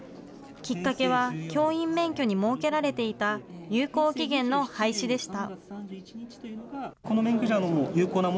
きっかけは教員免許に設けられていた有効期限の廃止でした。